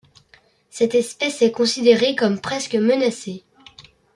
Cette espèce est considérée comme presque menacée.